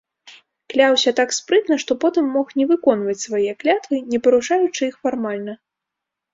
Кляўся так спрытна, што потым мог не выконваць свае клятвы, не парушаючы іх фармальна.